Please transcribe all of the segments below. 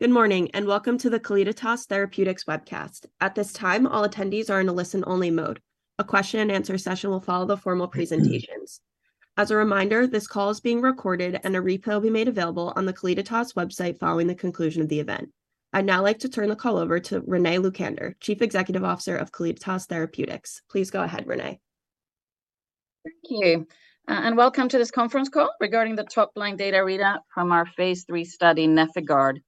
Good morning, welcome to the Calliditas Therapeutics webcast. At this time, all attendees are in a listen- only mode. A question and answer session will follow the formal presentations. As a reminder, this call is being recorded and a replay will be made available on the Calliditas website following the conclusion of the event. I'd now like to turn the call over to Renée Aguiar-Lucander, Chief Executive Officer of Calliditas Therapeutics. Please go ahead, Renée. Thank you. Welcome to this conference call regarding the top line data readout from our phase III study, NefIgArd.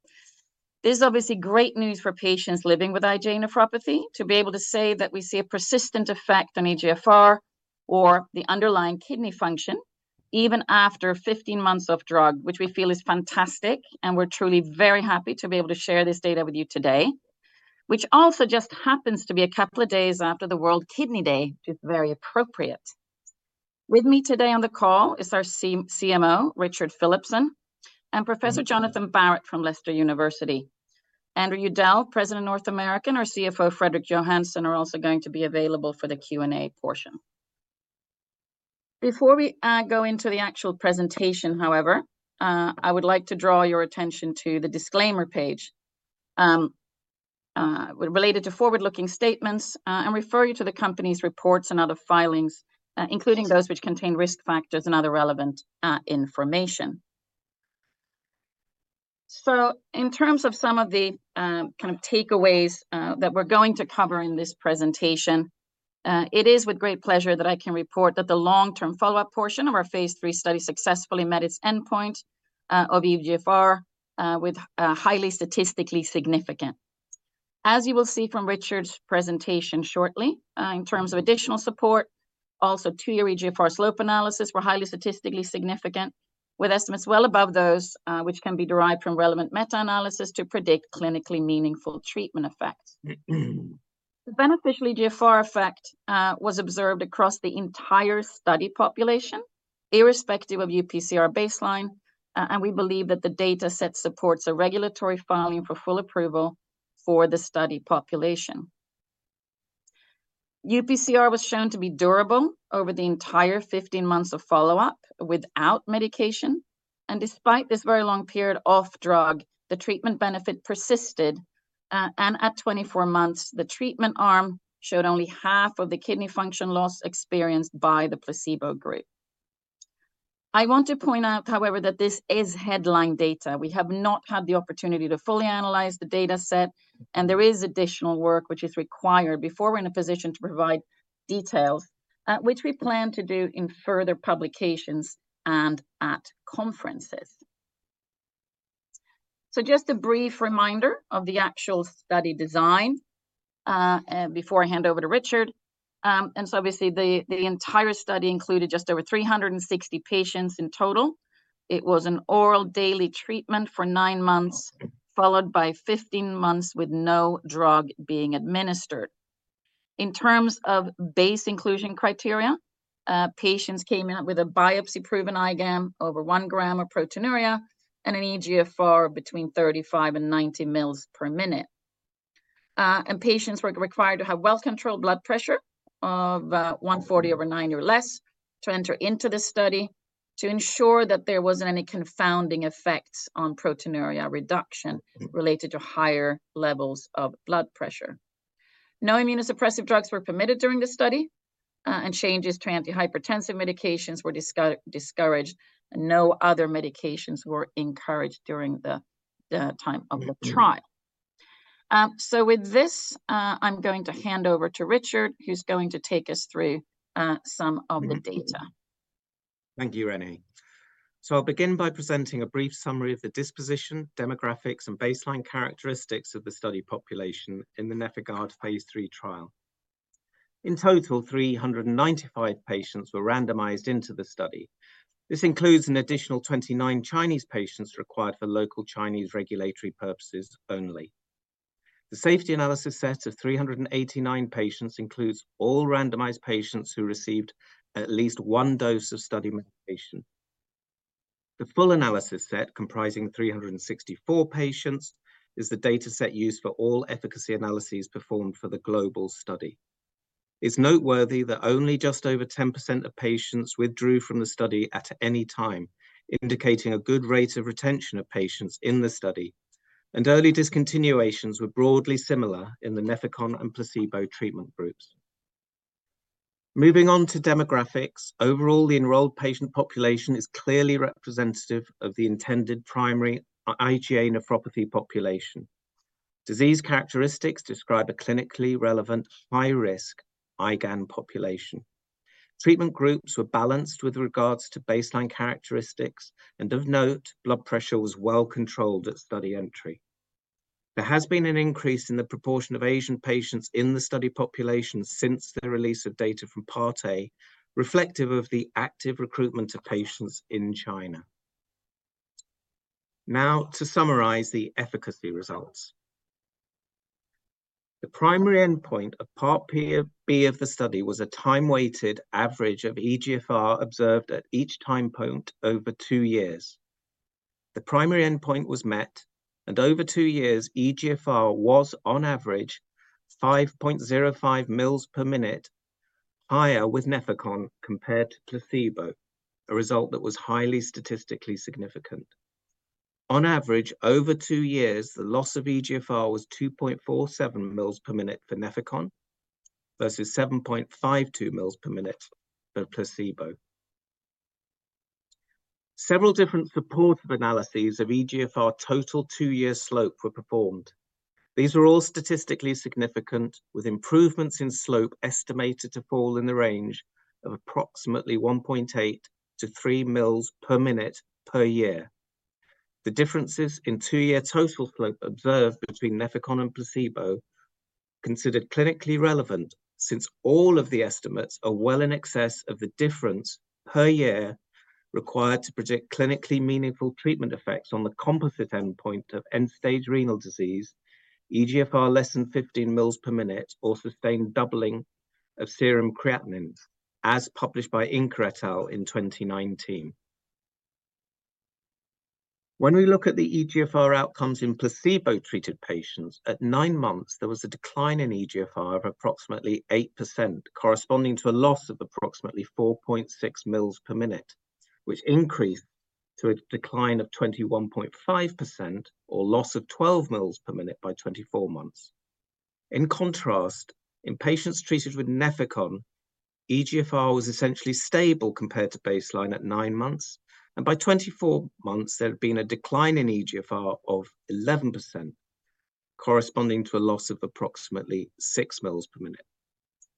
This is obviously great news for patients living with IgA nephropathy to be able to say that we see a persistent effect on eGFR or the underlying kidney function even after 15 months off drug, which we feel is fantastic, and we're truly very happy to be able to share this data with you today, which also just happens to be a couple of days after the World Kidney Day, which is very appropriate. With me today on the call is our CMO Richard Philipson and Professor Jonathan Barratt from Leicester University. Andrew Udell, President, North America, our CFO Fredrik Johansson, are also going to be available for the Q&A portion. Before we go into the actual presentation, however, I would like to draw your attention to the disclaimer page, related to forward-looking statements, and refer you to the company's reports and other filings, including those which contain risk factors and other relevant information. In terms of some of the kind of takeaways that we're going to cover in this presentation, it is with great pleasure that I can report that the long-term follow-up portion of our phase III study successfully met its endpoint of eGFR, with highly statistically significant. As you will see from Richard's presentation shortly, in terms of additional support, also 2-year eGFR slope analysis were highly statistically significant, with estimates well above those which can be derived from relevant meta-analysis to predict clinically meaningful treatment effects. The beneficial eGFR effect was observed across the entire study population, irrespective of UPCR baseline, and we believe that the dataset supports a regulatory filing for full approval for the study population. UPCR was shown to be durable over the entire 15 months of follow-up without medication, and despite this very long period off drug, the treatment benefit persisted, and at 24 months, the treatment arm showed only half of the kidney function loss experienced by the placebo group. I want to point out, however, that this is headline data. We have not had the opportunity to fully analyze the dataset, and there is additional work which is required before we're in a position to provide details, which we plan to do in further publications and at conferences. Just a brief reminder of the actual study design before I hand over to Richard. Obviously the entire study included just over 360 patients in total. It was an oral daily treatment for 9 months, followed by 15 months with no drug being administered. In terms of base inclusion criteria, patients came in with a biopsy-proven IgA over 1 g of proteinuria and an eGFR between 35 mils and 90 mils per minute. Patients were required to have well-controlled blood pressure of 140 over 90 or less to enter into the study to ensure that there wasn't any confounding effects on proteinuria reduction related to higher levels of blood pressure. No immunosuppressive drugs were permitted during the study, and changes to antihypertensive medications were discouraged. No other medications were encouraged during the time of the trial. With this, I'm going to hand over to Richard, who's going to take us through some of the data. Thank you, Renée. I'll begin by presenting a brief summary of the disposition, demographics, and baseline characteristics of the study population in the NefIgArd phase III trial. In total, 395 patients were randomized into the study. This includes an additional 29 Chinese patients required for local Chinese regulatory purposes only. The safety analysis set of 389 patients includes all randomized patients who received at least one dose of study medication. The full analysis set, comprising 364 patients, is the dataset used for all efficacy analyses performed for the global study. It's noteworthy that only just over 10% of patients withdrew from the study at any time, indicating a good rate of retention of patients in the study, and early discontinuations were broadly similar in the Nefecon and placebo treatment groups. Moving on to demographics. Overall, the enrolled patient population is clearly representative of the intended primary IgA nephropathy population. Disease characteristics describe a clinically relmilsevant high-risk IgAN population. Treatment groups were balanced with regards to baseline characteristics, and of note, blood pressure was well controlled at study entry. There has been an increase in the proportion of Asian patients in the study population since the release of data from Part A, reflective of the active recruitment of patients in China. To summarize the efficacy results. The primary endpoint of Part B of the study was a time-weighted average of eGFR observed at each time point over 2 years. The primary endpoint was met, over 2 years, eGFR was on average 5.05 mils per minute higher with Nefecon compared to placebo, a result that was highly statistically significant. On average, over 2 years, the loss of eGFR was 2.47 mils per minute for Nefecon versus 7.52 mils per minute for placebo. Several different supportive analyses of eGFR total 2-year slope were performed. These were all statistically significant, with improvements in slope estimated to fall in the range of approximately 1.8 mils-3 mils per minute per year. The differences in 2-year total slope observed between Nefecon and placebo considered clinically relevant since all of the estimates are well in excess of the difference per year required to predict clinically meaningful treatment effects on the composite endpoint of end-stage renal disease, eGFR less than 15 mils per minute, or sustained doubling of serum creatinine, as published by Inker et al. in 2019. When we look at the eGFR outcomes in placebo-treated patients, at 9 months, there was a decline in eGFR of approximately 8%, corresponding to a loss of approximately 4.6 mils per minute, which increased to a decline of 21.5% or loss of 12 mils per minute by 24 months. In contrast, in patients treated with Nefecon, eGFR was essentially stable compared to baseline at 9 months, and by 24 months, there had been a decline in eGFR of 11%, corresponding to a loss of approximately 6 mils per minute.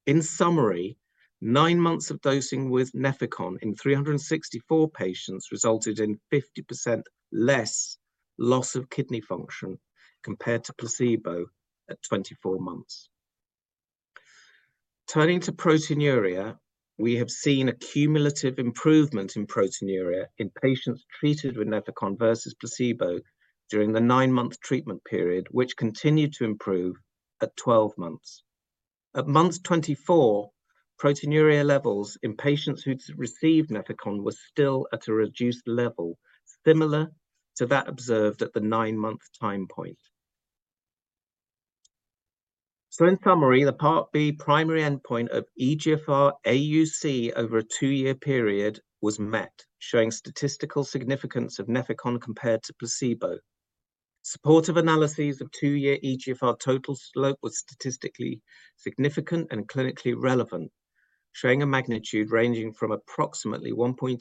In summary, 9 months of dosing with Nefecon in 364 patients resulted in 50% less loss of kidney function compared to placebo at 24 months. Turning to proteinuria, we have seen a cumulative improvement in proteinuria in patients treated with Nefecon versus placebo during the 9-month treatment period, which continued to improve at 12 months. At month 24, proteinuria levels in patients who received Nefecon were still at a reduced level, similar to that observed at the 9-month time point. In summary, the Part B primary endpoint of eGFR AUC over a 2-year period was met, showing statistical significance of Nefecon compared to placebo. Supportive analyses of 2-year eGFR total slope was statistically significant and clinically relevant, showing a magnitude ranging from approximately 1.8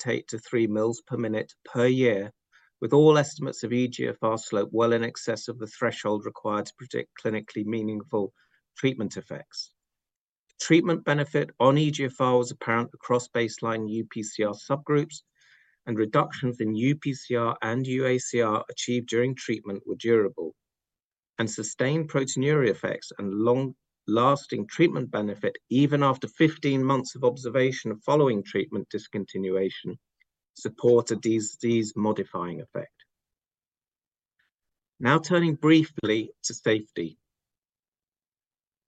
mils-3 mils per minute per year, with all estimates of eGFR slope well in excess of the threshold required to predict clinically meaningful treatment effects. Treatment benefit on eGFR was apparent across baseline UPCR subgroups, and reductions in UPCR and UACR achieved during treatment were durable. Sustained proteinuria effects and long-lasting treatment benefit, even after 15 months of observation following treatment discontinuation, support a disease-modifying effect. Now turning briefly to safety.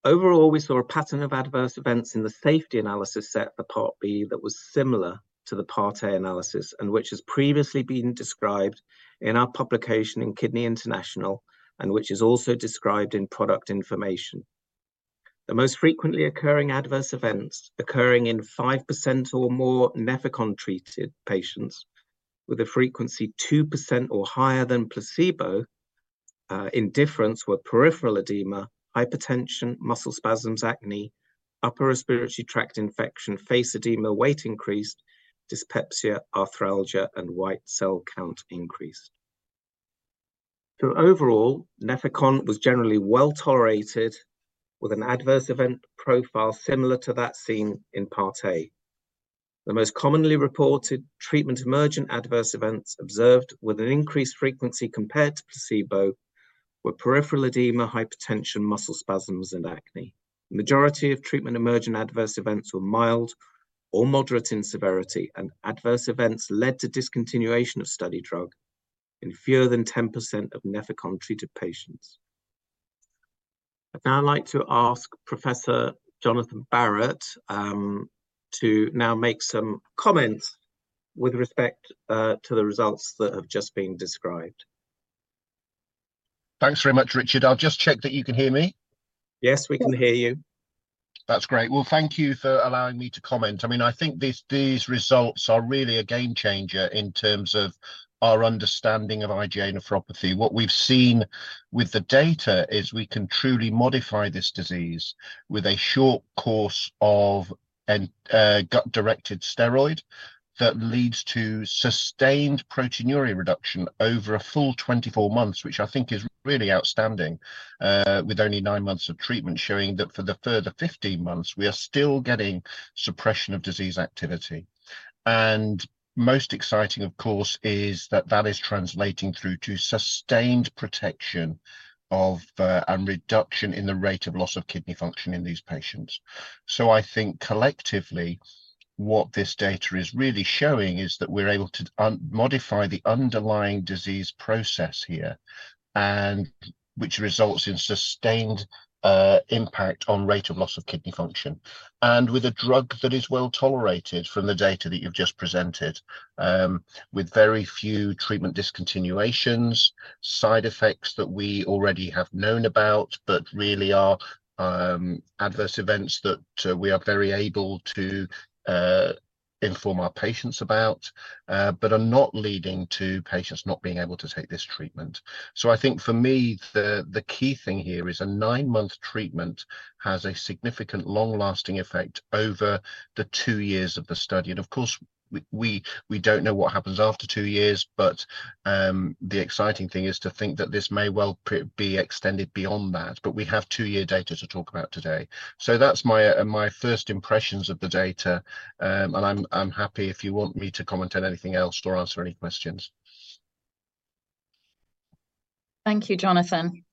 Overall, we saw a pattern of adverse events in the safety analysis set for Part B that was similar to the Part A analysis and which has previously been described in our publication in Kidney International and which is also described in product information. The most frequently occurring adverse events occurring in 5% or more Nefecon-treated patients with a frequency 2% or higher than placebo, in difference were peripheral edema, hypertension, muscle spasms, acne, upper respiratory tract infection, face edema, weight increase, dyspepsia, arthralgia, and white cell count increase. Overall, Nefecon was generally well-tolerated with an adverse event profile similar to that seen in Part A. The most commonly reported treatment-emergent adverse events observed with an increased frequency compared to placebo were peripheral edema, hypertension, muscle spasms, and acne. The majority of treatment-emergent adverse events were mild or moderate in severity, and adverse events led to discontinuation of study drug in fewer than 10% of Nefecon-treated patients. I'd now like to ask Professor Jonathan Barratt to now make some comments with respect to the results that have just been described. Thanks very much, Richard. I'll just check that you can hear me. Yes, we can hear you. That's great. Well, thank you for allowing me to comment. I mean, I think these results are really a game changer in terms of our understanding of IgA nephropathy. What we've seen with the data is we can truly modify this disease with a short course of a gut-directed steroid that leads to sustained proteinuria reduction over a full 24 months, which I think is really outstanding, with only nine months of treatment, showing that for the further 15 months, we are still getting suppression of disease activity. Most exciting, of course, is that that is translating through to sustained protection of and reduction in the rate of loss of kidney function in these patients. I think collectively, what this data is really showing is that we're able to modify the underlying disease process here and which results in sustained impact on rate of loss of kidney function and with a drug that is well-tolerated from the data that you've just presented, with very few treatment discontinuations, side effects that we already have known about, but really are adverse events that we are very able to inform our patients about, but are not leading to patients not being able to take this treatment. I think for me, the key thing here is a nine-month treatment has a significant long-lasting effect over the two years of the study. Of course, we don't know what happens after 2 years, but the exciting thing is to think that this may well be extended beyond that. We have 2-year data to talk about today. That's my first impressions of the data, and I'm happy if you want me to comment on anything else or answer any questions. Thank you, Jonathan.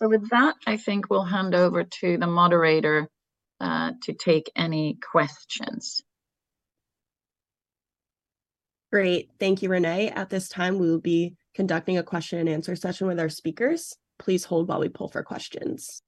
With that, I think we'll hand over to the moderator, to take any questions. Great. Thank you, Renée. At this time, we will be conducting a question and answer session with our speakers. Please hold while we poll for questions.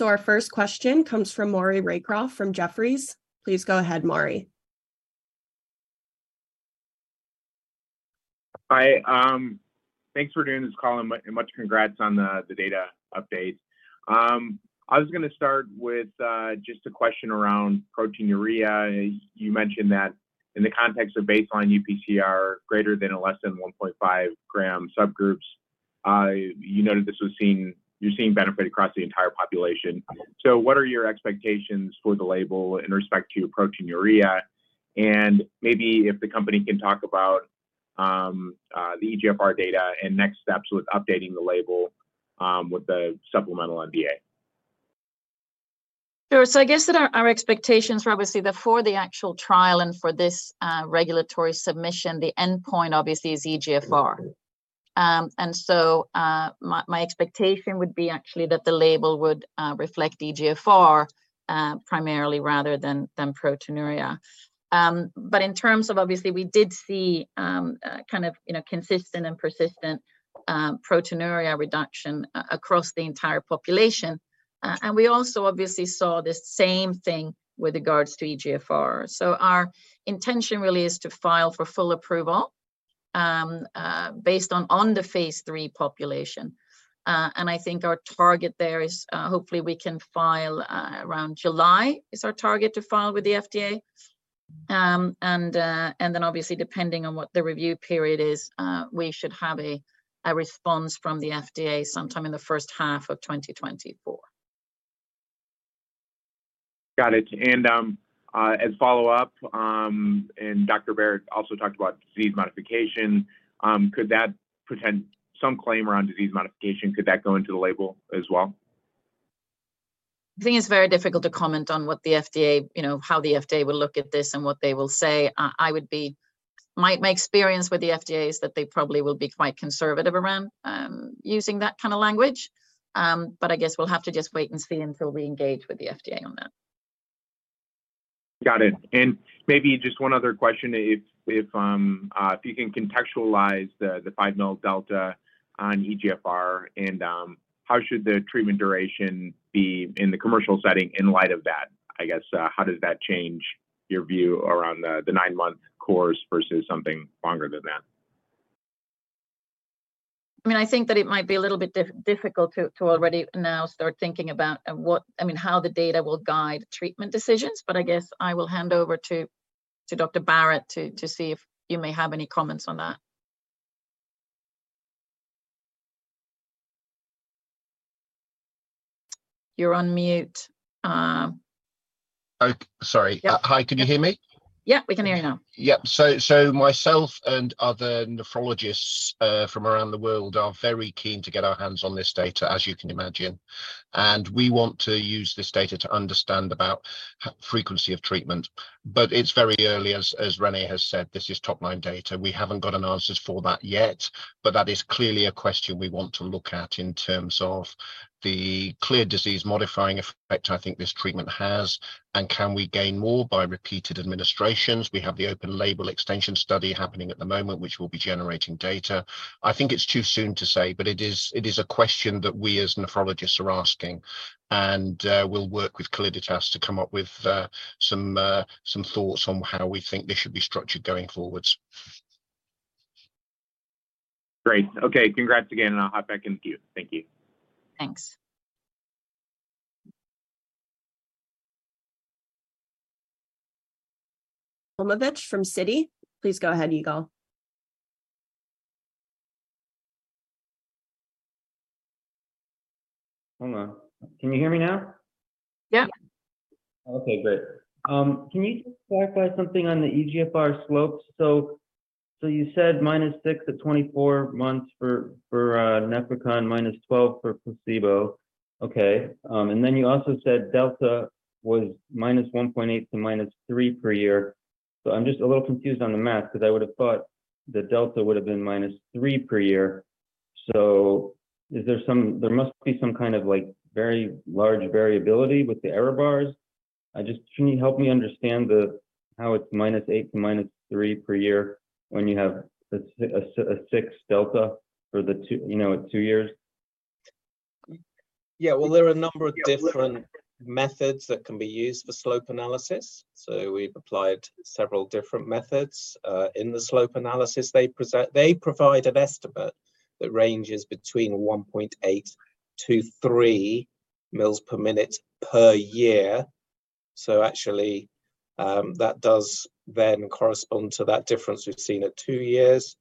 Our first question comes from Maury Raycroft from Jefferies. Please go ahead, Maury. Hi. Thanks for doing this call and much congrats on the data update. I was gonna start with just a question around proteinuria. You mentioned that in the context of baseline UPCR greater than or less than 1.5 g subgroups, you noted you're seeing benefit across the entire population. What are your expectations for the label in respect to proteinuria? Maybe if the company can talk about the eGFR data and next steps with updating the label with the supplemental NDA. Sure. I guess that our expectations were obviously that for the actual trial and for this regulatory submission, the endpoint obviously is eGFR. My expectation would be actually that the label would reflect eGFR primarily rather than proteinuria. In terms of obviously we did see, kind of, you know, consistent and persistent proteinuria reduction across the entire population. We also obviously saw the same thing with regards to eGFR. Our intention really is to file for full approval based on the phase III population. I think our target there is, hopefully we can file around July, is our target to file with the FDA. Obviously depending on what the review period is, we should have a response from the FDA sometime in the first half of 2024. Got it. As follow-up, Dr. Barratt also talked about disease modification. Could that present some claim around disease modification? Could that go into the label as well? I think it's very difficult to comment on what the FDA, you know, how the FDA will look at this and what they will say. My experience with the FDA is that they probably will be quite conservative around using that kinda language. I guess we'll have to just wait and see until we engage with the FDA on that. Got it. Maybe just one other question, if you can contextualize the 5 mil delta on eGFR, and, how should the treatment duration be in the commercial setting in light of that? I guess, how does that change your view around the 9-month course versus something longer than that? I mean, I think that it might be a little bit difficult to already now start thinking about how the data will guide treatment decisions. I guess I will hand over to Dr. Barratt to see if you may have any comments on that. You're on mute. Oh, sorry. Yeah. Hi, can you hear me? Yeah, we can hear you now. Yeah. Myself and other nephrologists from around the world are very keen to get our hands on this data, as you can imagine. We want to use this data to understand about frequency of treatment. It's very early. As Renée has said, this is top-line data. We haven't got an answers for that yet, that is clearly a question we want to look at in terms of the clear disease-modifying effect I think this treatment has, and can we gain more by repeated administrations. We have the open-label extension study happening at the moment, which will be generating data. I think it's too soon to say, but it is a question that we as nephrologists are asking. We'll work with Calliditas to come up with, some thoughts on how we think this should be structured going forward. Great. Okay, congrats again, and I'll hop back in the queue. Thank you. Thanks. from Citi. Please go ahead, Ygal. Hold on. Can you hear me now? Yeah. Okay, great. Can you just clarify something on the eGFR slopes? You said -6 at 24 months for Nefecon, -12 for placebo. Okay. You also said delta was -1.8 to -3 per year. I'm just a little confused on the math, 'cause I would have thought the delta would have been -3 per year. Is there some kind of, like, very large variability with the error bars. Just can you help me understand how it's -8 to -3 per year when you have a 6 delta for the 2, you know, at 2 years? Yeah. Well, there are a number of different methods that can be used for slope analysis. We've applied several different methods in the slope analysis. They provide an estimate that ranges between 1.8 mils-3 mils per minute per year. Actually, that does then correspond to that difference we've seen at 2 years,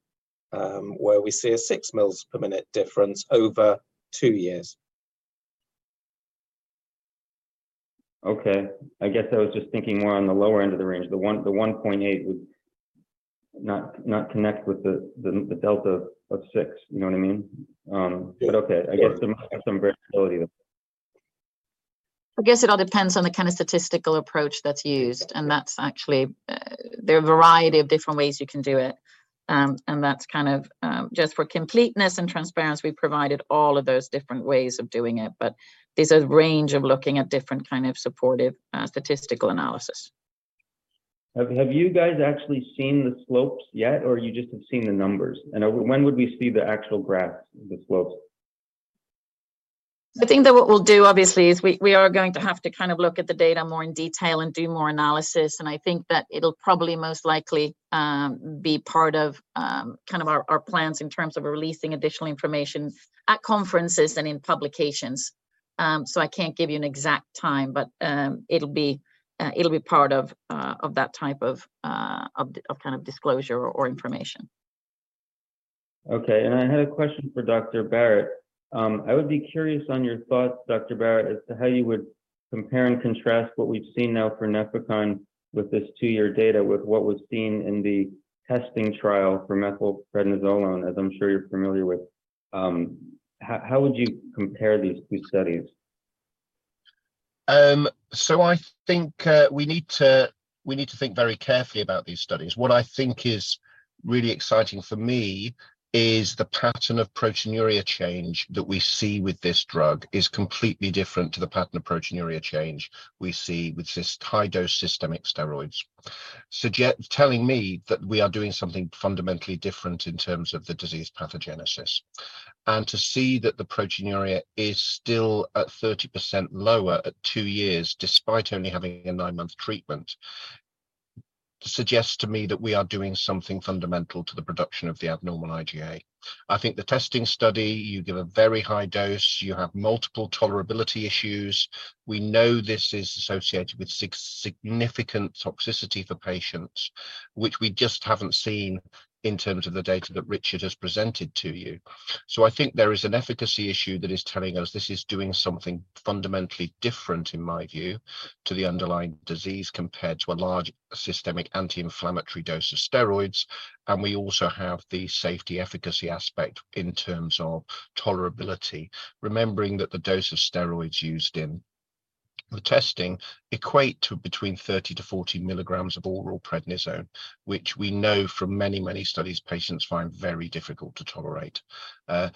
where we see a 6 mils per minute difference over 2 years. Okay. I guess I was just thinking more on the lower end of the range. The 1.8 would not connect with the delta of 6. You know what I mean? Okay. I guess there might be some variability with it. I guess it all depends on the kind of statistical approach that's used, and that's actually. There are a variety of different ways you can do it. That's kind of, just for completeness and transparency, we provided all of those different ways of doing it. There's a range of looking at different kind of supportive, statistical analysis. Have you guys actually seen the slopes yet or you just have seen the numbers? When would we see the actual graphs of the slopes? I think that what we'll do obviously is we are going to have to kind of look at the data more in detail and do more analysis. I think that it'll probably most likely be part of kind of our plans in terms of releasing additional information at conferences and in publications. I can't give you an exact time, but it'll be part of kind of disclosure or information. Okay. I had a question for Dr. Barratt. I would be curious on your thoughts, Dr. Barratt, as to how you would compare and contrast what we've seen now for Nefecon with this 2-year data with what was seen in the TESTING trial for methylprednisolone, as I'm sure you're familiar with. How would you compare these two studies? I think we need to think very carefully about these studies. What I think is really exciting for me is the pattern of proteinuria change that we see with this drug is completely different to the pattern of proteinuria change we see with this high-dose systemic steroids. Telling me that we are doing something fundamentally different in terms of the disease pathogenesis. To see that the proteinuria is still at 30% lower at 2 years, despite only having a 9-month treatment, suggests to me that we are doing something fundamental to the production of the abnormal IgA. I think the TESTING study, you give a very high dose, you have multiple tolerability issues. We know this is associated with significant toxicity for patients, which we just haven't seen in terms of the data that Richard has presented to you. I think there is an efficacy issue that is telling us this is doing something fundamentally different, in my view, to the underlying disease compared to a large systemic anti-inflammatory dose of steroids. We also have the safety efficacy aspect in terms of tolerability. Remembering that the dose of steroids used in the TESTING equate to between 30 mg-40 mg of oral prednisone, which we know from many, many studies patients find very difficult to tolerate. I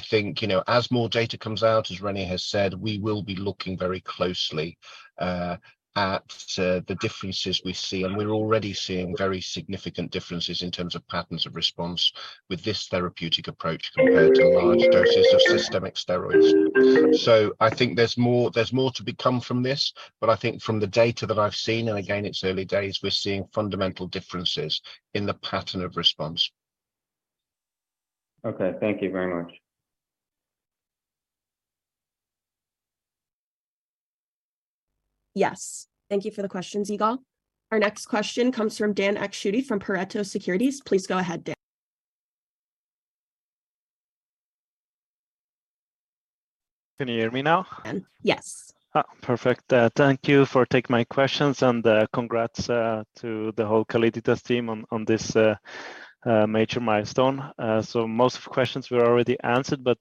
think, you know, as more data comes out, as Renée has said, we will be looking very closely at the differences we see, and we're already seeing very significant differences in terms of patterns of response with this therapeutic approach compared to large doses of systemic steroids. I think there's more to become from this. I think from the data that I've seen, and again, it's early days, we're seeing fundamental differences in the pattern of response. Okay. Thank you very much. Yes. Thank you for the question, Ygal. Our next question comes from Dan Akschuti from Pareto Securities. Please go ahead, Dan. Can you hear me now? Dan? Yes. Perfect. Thank you for taking my questions, and congrats to the whole Calliditas team on this major milestone. Most of the questions were already answered, but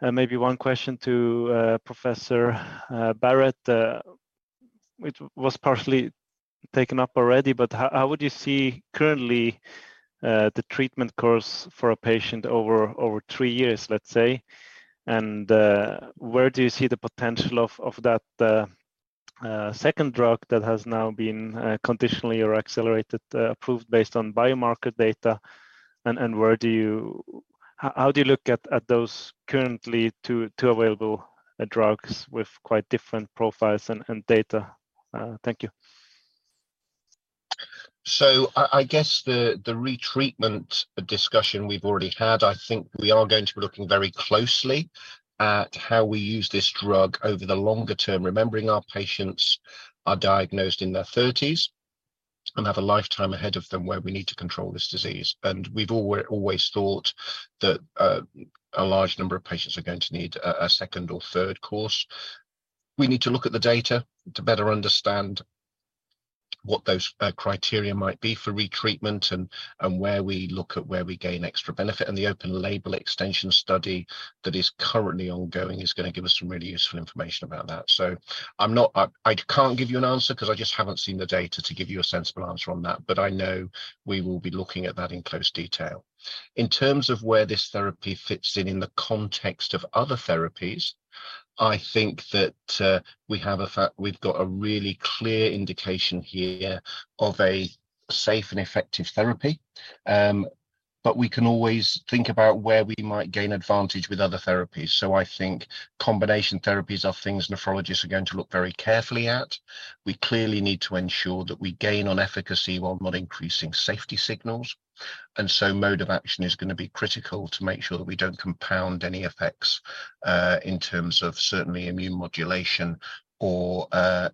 maybe one question to Professor Barratt, which was partially taken up already. How would you see currently the treatment course for a patient over 3 years, let's say? Where do you see the potential of that second drug that has now been conditionally or accelerated, approved based on biomarker data? Where do you look at those currently two available drugs with quite different profiles and data? Thank you. I guess the retreatment discussion we've already had, I think we are going to be looking very closely at how we use this drug over the longer term, remembering our patients are diagnosed in their thirties and have a lifetime ahead of them where we need to control this disease. We've always thought that a large number of patients are going to need a second or third course. We need to look at the data to better understand what those criteria might be for retreatment and where we look at where we gain extra benefit. The open-label extension study that is currently ongoing is going to give us some really useful information about that. I can't give you an answer because I just haven't seen the data to give you a sensible answer on that. I know we will be looking at that in close detail. In terms of where this therapy fits in in the context of other therapies. I think that we've got a really clear indication here of a safe and effective therapy, but we can always think about where we might gain advantage with other therapies. I think combination therapies are things nephrologists are going to look very carefully at. We clearly need to ensure that we gain on efficacy while not increasing safety signals. Mode of action is gonna be critical to make sure that we don't compound any effects in terms of certainly immune modulation or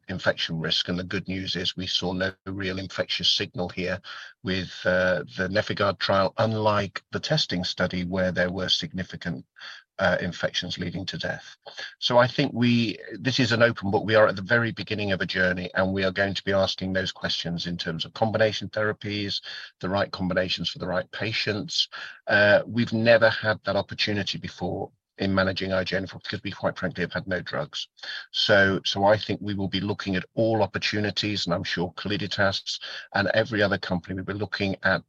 infection risk. The good news is we saw no real infectious signal here with the NefIgArd trial, unlike the TESTING study where there were significant infections leading to death. I think we this is an open, but we are at the very beginning of a journey, and we are going to be asking those questions in terms of combination therapies, the right combinations for the right patients. We've never had that opportunity before in managing IgA nephropathy because we quite frankly have had no drugs. I think we will be looking at all opportunities, and I'm sure Calliditas and every other company will be looking at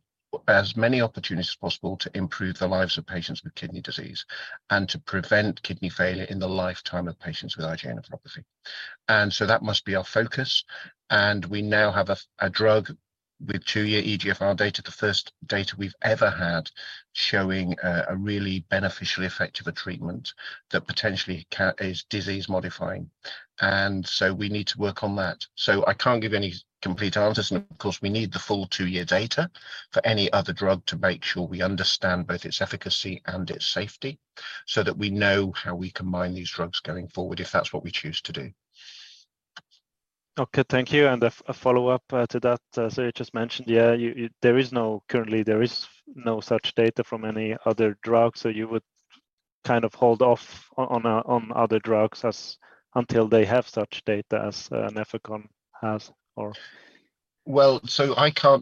as many opportunities as possible to improve the lives of patients with kidney disease and to prevent kidney failure in the lifetime of patients with IgA nephropathy. That must be our focus, and we now have a drug with 2-year eGFR data, the first data we've ever had, showing a really beneficial effect of a treatment that potentially is disease modifying. We need to work on that. I can't give any complete answers. Of course, we need the full 2-year data for any other drug to make sure we understand both its efficacy and its safety so that we know how we combine these drugs going forward, if that's what we choose to do. Okay. Thank you. A follow-up to that. You just mentioned, yeah, you currently there is no such data from any other drugs. You would kind of hold off on other drugs as until they have such data as Nefecon has or? Well, I can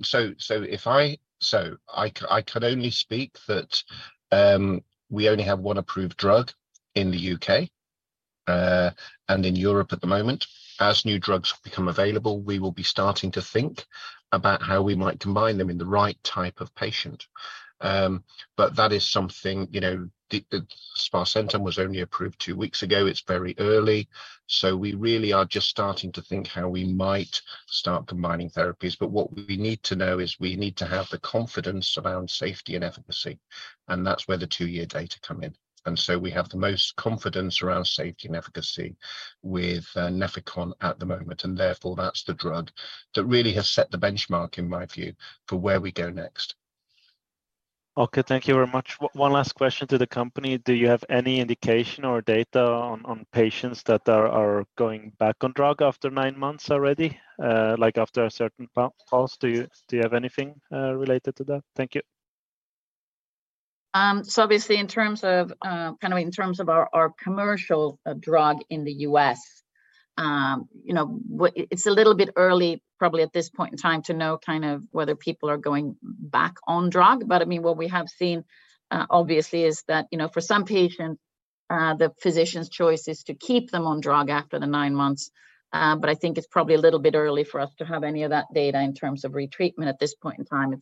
only speak that, we only have one approved drug in the U.K., and in Europe at the moment. As new drugs become available, we will be starting to think about how we might combine them in the right type of patient. That is something, you know, the sparsentan was only approved two weeks ago. It's very early. We really are just starting to think how we might start combining therapies. What we need to know is we need to have the confidence around safety and efficacy, and that's where the 2-year data come in. We have the most confidence around safety and efficacy with Nefecon at the moment, and therefore that's the drug that really has set the benchmark, in my view, for where we go next. Okay. Thank you very much. One last question to the company. Do you have any indication or data on patients that are going back on drug after 9 months already, like after a certain pause? Do you have anything related to that? Thank you. Obviously in terms of, kind of in terms of our commercial drug in the U.S., you know, it's a little bit early probably at this point in time to know kind of whether people are going back on drug. I mean, what we have seen, obviously is that, you know, for some patients, the physician's choice is to keep them on drug after the 9 months. I think it's probably a little bit early for us to have any of that data in terms of retreatment at this point in time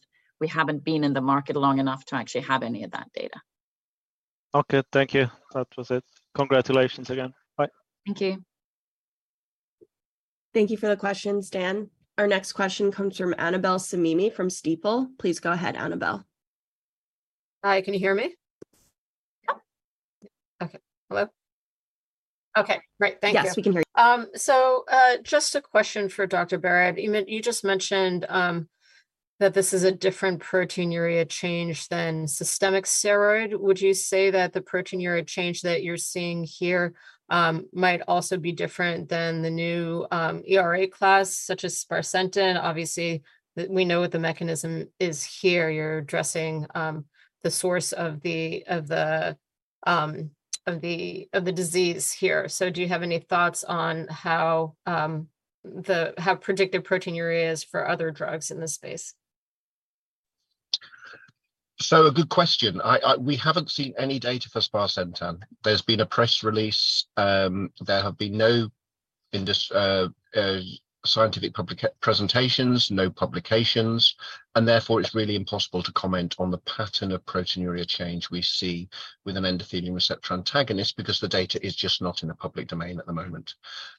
if we haven't been in the market long enough to actually have any of that data. Okay. Thank you. That was it. Congratulations again. Bye. Thank you. Thank you for the questions, Dan. Our next question comes from Annabel Samimy from Stifel. Please go ahead, Annabel. Hi. Can you hear me? Yeah. Okay. Hello? Okay. Great. Thank you. Yes, we can hear you. Just a question for Dr. Barratt. You just mentioned that this is a different proteinuria change than systemic steroid. Would you say that the proteinuria change that you're seeing here might also be different than the new ERA class, such as sparsentan? Obviously, we know what the mechanism is here. You're addressing the source of the disease here. Do you have any thoughts on how predictive proteinuria is for other drugs in this space? A good question. We haven't seen any data for sparsentan. There's been a press release. There have been no scientific public presentations, no publications, and therefore it's really impossible to comment on the pattern of proteinuria change we see with an endothelin receptor antagonist because the data is just not in the public domain at the moment.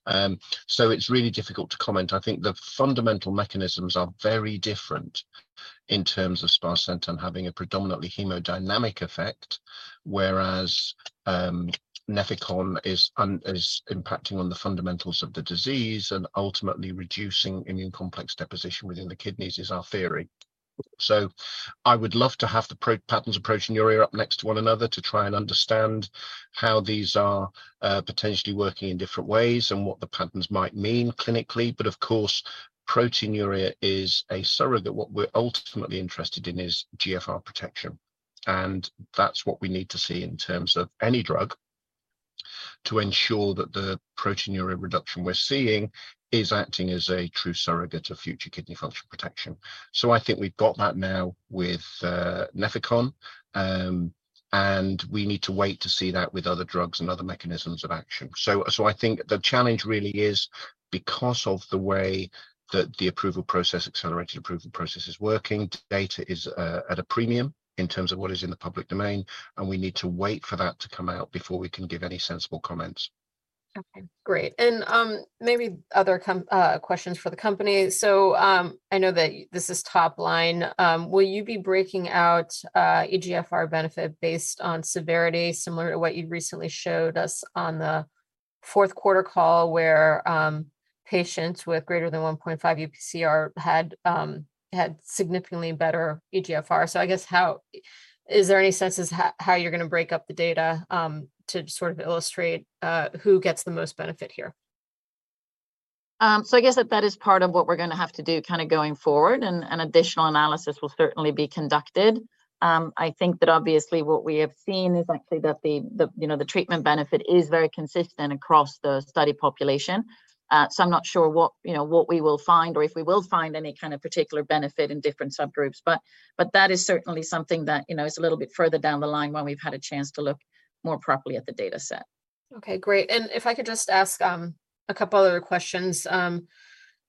It's really difficult to comment. I think the fundamental mechanisms are very different in terms of sparsentan having a predominantly hemodynamic effect, whereas Nefecon is impacting on the fundamentals of the disease and ultimately reducing immune complex deposition within the kidneys is our theory. I would love to have the pro patterns of proteinuria up next to one another to try and understand how these are potentially working in different ways and what the patterns might mean clinically. Of course, proteinuria is a surrogate. What we're ultimately interested in is GFR protection, and that's what we need to see in terms of any drug to ensure that the proteinuria reduction we're seeing is acting as a true surrogate of future kidney function protection. I think we've got that now with Nefecon, and we need to wait to see that with other drugs and other mechanisms of action. I think the challenge really is because of the way that the approval process, accelerated approval process is working, data is at a premium in terms of what is in the public domain, and we need to wait for that to come out before we can give any sensible comments. Okay, great. Maybe other questions for the company. I know that this is top line. Will you be breaking out eGFR benefit based on severity, similar to what you recently showed us on the fourth quarter call, where patients with greater than 1.5 UPCR had significantly better eGFR? Is there any sense as how you're gonna break up the data to sort of illustrate who gets the most benefit here? I guess that is part of what we're gonna have to do kind of going forward, and an additional analysis will certainly be conducted. I think that obviously what we have seen is actually that the, you know, the treatment benefit is very consistent across the study population. I'm not sure what, you know, what we will find or if we will find any kind of particular benefit in different subgroups. That is certainly something that, you know, is a little bit further down the line when we've had a chance to look more properly at the data set. Okay, great. If I could just ask a couple other questions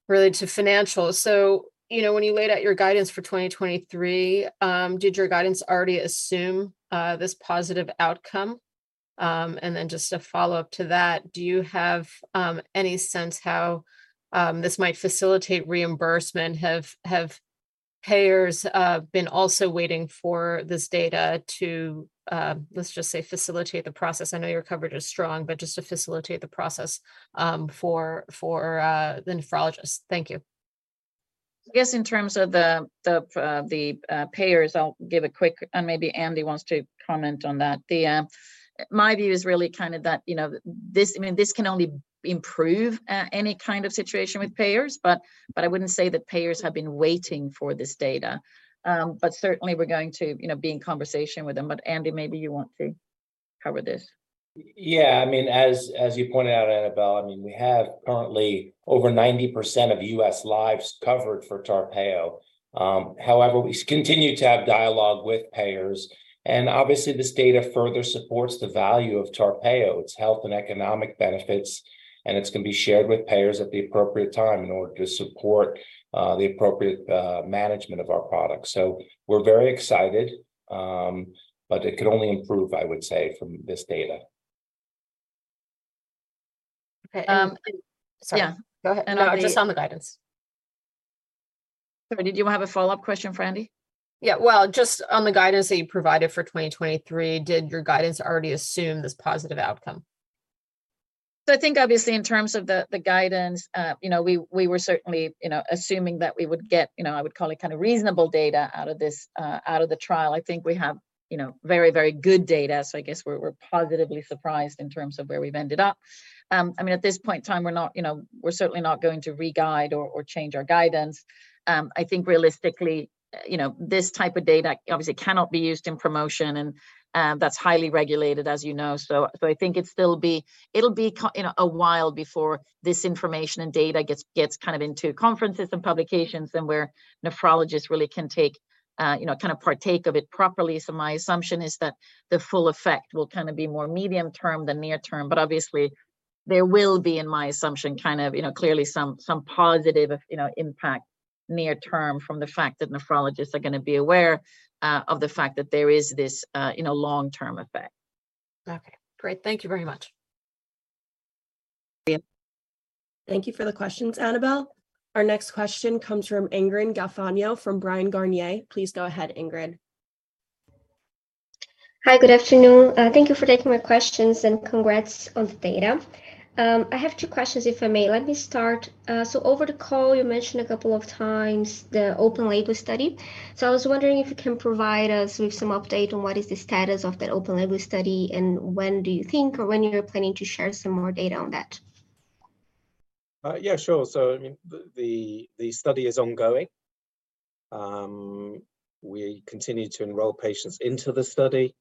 related to financials. You know, when you laid out your guidance for 2023, did your guidance already assume this positive outcome? Then just a follow-up to that, do you have any sense how this might facilitate reimbursement? Have payers been also waiting for this data to, let's just say, facilitate the process? I know your coverage is strong, but just to facilitate the process for the nephrologists. Thank you. I guess in terms of the payers, I'll give a quick, and maybe Andy wants to comment on that. My view is really kind of that, you know, this, I mean, this can only improve any kind of situation with payers, but I wouldn't say that payers have been waiting for this data. Certainly we're going to, you know, be in conversation with them. Andy, maybe you want to cover this. Yeah. I mean, as you pointed out, Annabel, I mean, we have currently over 90% of U.S. lives covered for TARPEYO. However, we continue to have dialogue with payers, and obviously this data further supports the value of TARPEYO, its health and economic benefits, and it's gonna be shared with payers at the appropriate time in order to support, the appropriate, management of our product. We're very excited, but it could only improve, I would say, from this data. Okay. Yeah. Go ahead. And are they- No, just on the guidance. Sorry, did you have a follow-up question for Andy? Yeah. Well, just on the guidance that you provided for 2023, did your guidance already assume this positive outcome? I think obviously in terms of the guidance, you know, we were certainly, you know, assuming that we would get, you know, I would call it kinda reasonable data out of this, out of the trial. I think we have, you know, very good data, I guess we're positively surprised in terms of where we've ended up. I mean, at this point in time, we're not, you know, we're certainly not going to re-guide or change our guidance. I think realistically, you know, this type of data obviously cannot be used in promotion and that's highly regulated, as you know. I think it'll still be... It'll be you know, a while before this information and data gets kind of into conferences and publications and where nephrologists really can take, you know, kinda partake of it properly. My assumption is that the full effect will kinda be more medium term than near term. Obviously there will be, in my assumption, kind of, you know, clearly some positive, you know, impact near term from the fact that nephrologists are gonna be aware of the fact that there is this, you know, long-term effect. Okay. Great. Thank you very much. Yeah. Thank you for the questions, Annabel. Our next question comes from Ingrid Gafanhão from Bryan, Garnier. Please go ahead, Ingrid. Hi, good afternoon. Thank you for taking my questions, and congrats on the data. I have two questions, if I may. Let me start. Over the call, you mentioned a couple of times the open-label study. I was wondering if you can provide us with some update on what is the status of that open-label study, and when do you think or when you're planning to share some more data on that? Yeah, sure. I mean, the, the study is ongoing. We continue to enroll patients into the study.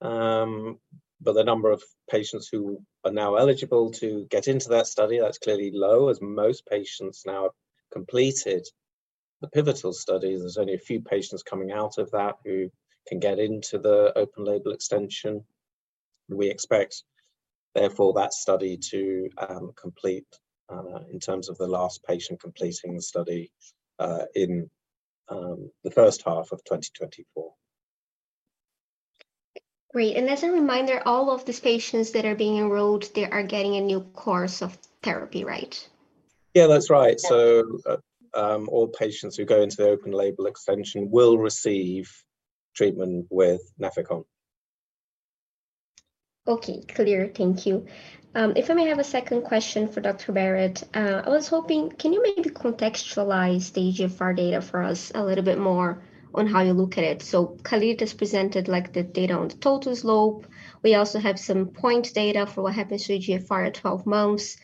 The number of patients who are now eligible to get into that study, that's clearly low, as most patients now have completed the pivotal study. There's only a few patients coming out of that who can get into the open-label extension. We expect therefore that study to complete in terms of the last patient completing the study in the first half of 2024. Great. As a reminder, all of these patients that are being enrolled, they are getting a new course of therapy, right? Yeah, that's right. Okay. all patients who go into the open-label extension will receive treatment with Nefecon. Clear. Thank you. If I may have a second question for Dr. Barratt. I was hoping, can you maybe contextualize the eGFR data for us a little bit more on how you look at it? Calliditas has presented like the data on the total slope. We also have some point data for what happens to eGFR at 12 months.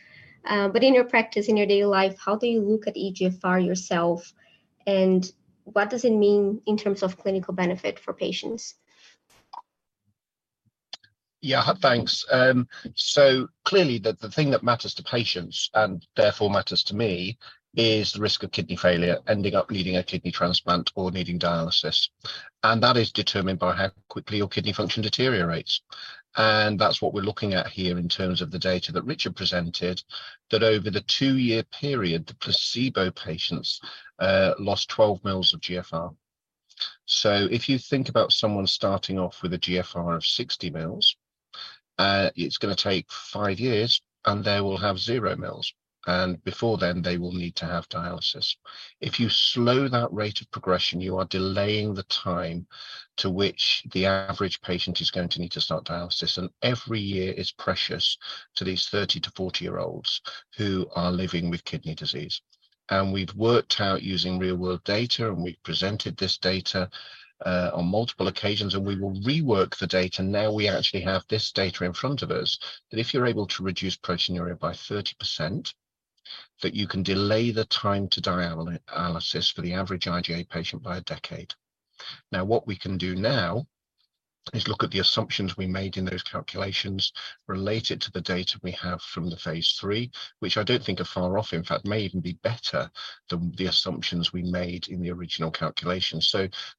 In your practice, in your daily life, how do you look at eGFR yourself, and what does it mean in terms of clinical benefit for patients? Yeah. Thanks. clearly the thing that matters to patients, and therefore matters to me, is the risk of kidney failure ending up needing a kidney transplant or needing dialysis, and that is determined by how quickly your kidney function deteriorates. That's what we're looking at here in terms of the data that Richard presented, that over the 2-year period, the placebo patients, lost 12 mils of GFR. If you think about someone starting off with a GFR of 60 mils, it's gonna take 5 years, and they will have 0 mils, and before then they will need to have dialysis. If you slow that rate of progression, you are delaying the time to which the average patient is going to need to start dialysis. Every year is precious to these 30 -year-old to 40-year-olds who are living with kidney disease. We've worked out using real world data, and we've presented this data on multiple occasions, and we will rework the data. Now we actually have this data in front of us that if you're able to reduce proteinuria by 30%, that you can delay the time to dialysis for the average IgA patient by a decade. What we can do now is look at the assumptions we made in those calculations related to the data we have from the phase III, which I don't think are far off, in fact may even be better than the assumptions we made in the original calculation.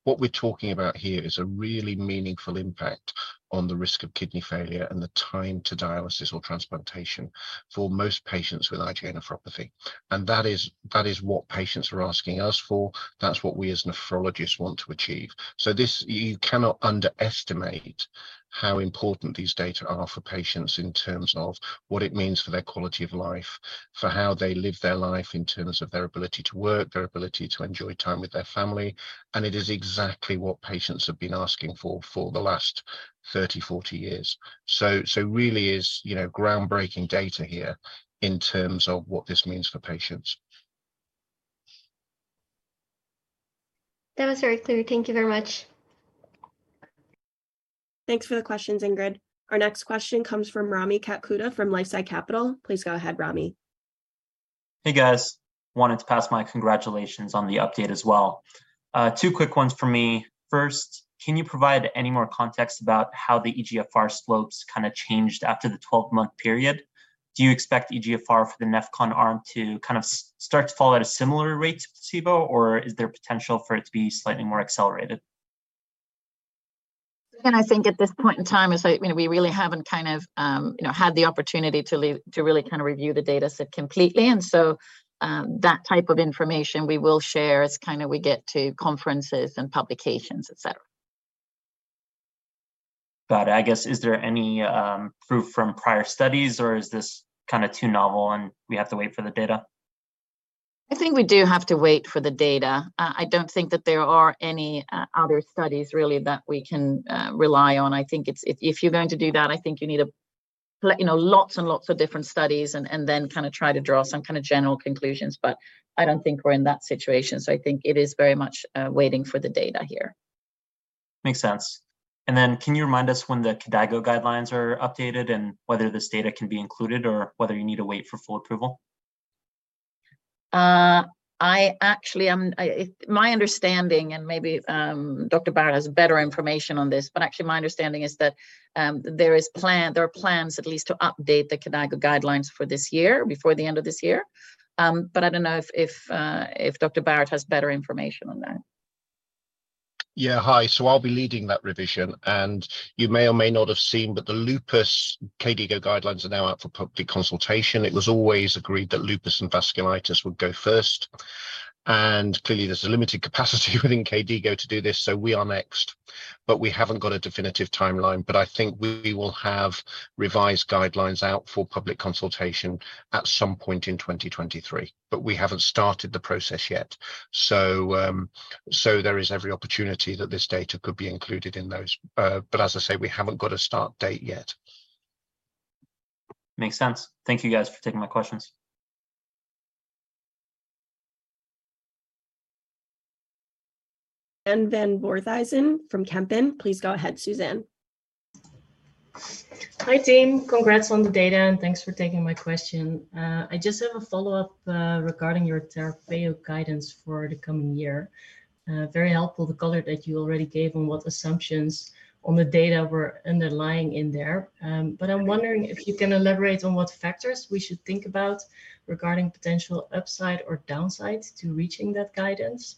What we're talking about here is a really meaningful impact on the risk of kidney failure and the time to dialysis or transplantation for most patients with IgA nephropathy. That is what patients are asking us for. That's what we as nephrologists want to achieve. This, you cannot underestimate how important these data are for patients in terms of what it means for their quality of life, for how they live their life in terms of their ability to work, their ability to enjoy time with their family. It is exactly what patients have been asking for for the last 30 years, 40 years. Really is, you know, groundbreaking data here in terms of what this means for patients. That was very clear. Thank You very much. Thanks for the questions, Ingrid. Our next question comes from Rami Katkhuda from LifeSci Capital. Please go ahead, Rami. Hey, guys. Wanted to pass my congratulations on the update as well. Two quick ones for me. First, can you provide any more context about how the eGFR slopes kinda changed after the 12-month period? Do you expect eGFR for the Nefecon arm to kind of start to fall at a similar rate to placebo, or is there potential for it to be slightly more accelerated? I think at this point in time, you know, we really haven't kind of, you know, had the opportunity to really kinda review the data set completely. That type of information we will share as kinda we get to conferences and publications, et cetera. I guess, is there any proof from prior studies or is this kinda too novel and we have to wait for the data? I think we do have to wait for the data. I don't think that there are any other studies really that we can rely on. I think it's... If, if you're going to do that, I think you need you know, lots and lots of different studies and then kinda try to draw some kinda general conclusions. I don't think we're in that situation, I think it is very much waiting for the data here. Makes sense. Then can you remind us when the KDIGO guidelines are updated and whether this data can be included or whether you need to wait for full approval? My understanding, and maybe Dr. Barratt has better information on this, actually my understanding is that there are plans at least to update the KDIGO guidelines for this year, before the end of this year. I don't know if Dr. Barratt has better information on that. Yeah, hi. I'll be leading that revision. You may or may not have seen, but the lupus KDIGO guidelines are now out for public consultation. It was always agreed that lupus and vasculitis would go first. Clearly there's a limited capacity within KDIGO to do this. We are next, but we haven't got a definitive timeline. I think we will have revised guidelines out for public consultation at some point in 2023. We haven't started the process yet. There is every opportunity that this data could be included in those. As I say, we haven't got a start date yet. Makes sense. Thank you guys for taking my questions. van Voorthuizen from Kempen. Please go ahead, Suzanne. Hi, team. Congrats on the data, and thanks for taking my question. I just have a follow-up, regarding your TARPEO guidance for the coming year. Very helpful, the color that you already gave on what assumptions on the data were underlying in there. I'm wondering if you can elaborate on what factors we should think about regarding potential upside or downside to reaching that guidance.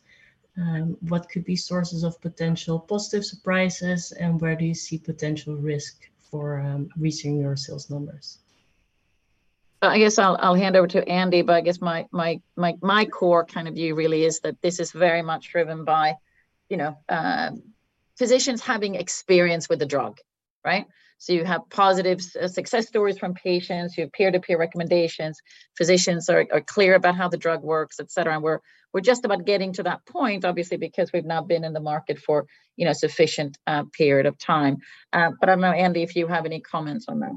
What could be sources of potential positive surprises, and where do you see potential risk for, reaching your sales numbers? I guess I'll hand over to Andy, but I guess my core kind of view really is that this is very much driven by, you know, physicians having experience with the drug, right? You have positive success stories from patients. You have peer-to-peer recommendations. Physicians are clear about how the drug works, et cetera. We're just about getting to that point, obviously, because we've now been in the market for, you know, a sufficient period of time. I don't know, Andy, if you have any comments on that.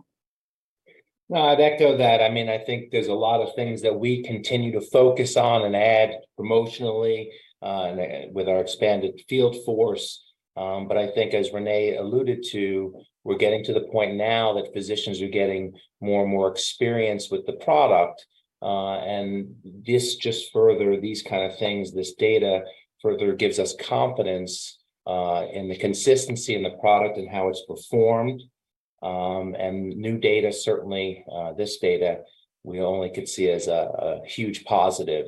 No, I'd echo that. I mean, I think there's a lot of things that we continue to focus on and add promotionally, and with our expanded field force. I think as Renée alluded to, we're getting to the point now that physicians are getting more and more experience with the product, and this just further, these kind of things, this data further gives us confidence in the consistency in the product and how it's performed. New data, certainly, this data we only could see as a huge positive.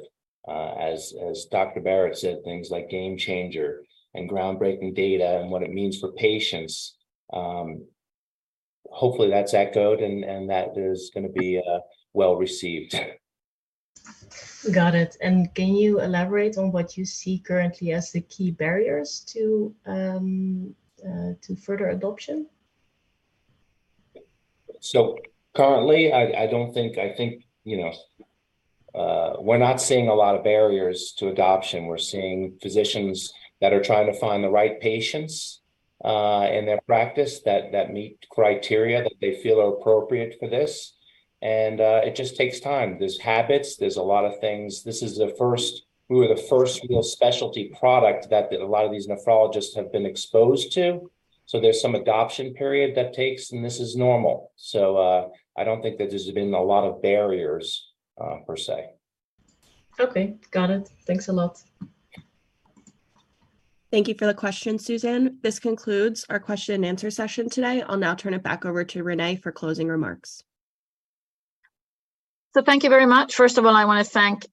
As Dr. Barratt said, things like game changer and groundbreaking data and what it means for patients. Hopefully that's echoed and that is gonna be well received. Got it. Can you elaborate on what you see currently as the key barriers to further adoption? Currently I think, you know, we're not seeing a lot of barriers to adoption. We're seeing physicians that are trying to find the right patients in their practice that meet criteria that they feel are appropriate for this. It just takes time. There's habits, there's a lot of things. We were the first real specialty product that a lot of these nephrologists have been exposed to, so there's some adoption period that takes, and this is normal. I don't think that there's been a lot of barriers per se. Okay. Got it. Thanks a lot. Thank you for the question, Suzanne. This concludes our question and answer session today. I'll now turn it back over to Renée for closing remarks. Thank you very much. First of all, I wanna thank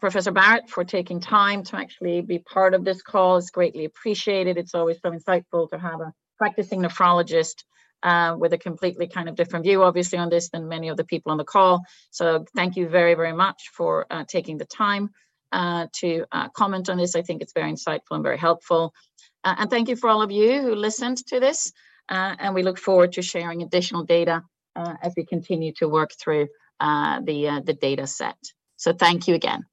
Professor Barratt for taking time to actually be part of this call. It's greatly appreciated. It's always so insightful to have a practicing nephrologist with a completely kind of different view, obviously, on this than many of the people on the call. Thank you very, very much for taking the time to comment on this. I think it's very insightful and very helpful. Thank you for all of you who listened to this, and we look forward to sharing additional data as we continue to work through the data set. Thank you again.